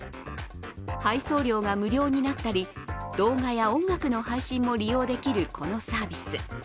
配送料が無料になったり動画や音楽の配信も利用できるこのサービス。